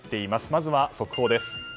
まずは速報です。